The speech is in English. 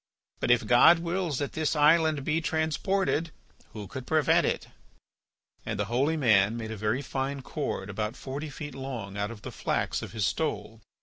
"But if God wills that this island be transported, who could prevent it?" And the holy man made a very fine cord about forty feet long out of the flax of his stole.